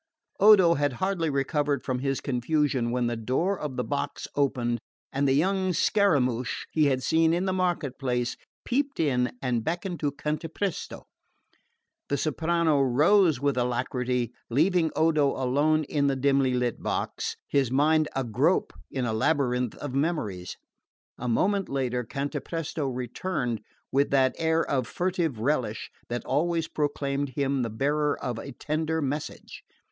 Odo had hardly recovered from his confusion when the door of the box opened and the young Scaramouch he had seen in the market place peeped in and beckoned to Cantapresto. The soprano rose with alacrity, leaving Odo alone in the dimly lit box, his mind agrope in a labyrinth of memories. A moment later Cantapresto returned with that air of furtive relish that always proclaimed him the bearer of a tender message.